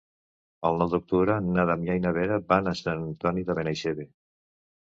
El nou d'octubre na Damià i na Vera van a Sant Antoni de Benaixeve.